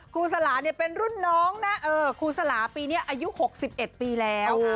ครูสลาเนี่ยเป็นรุ่นน้องนะครูสลาปีนี้อายุ๖๑ปีแล้ว